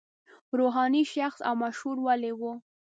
روحاني شخص او مشهور ولي و.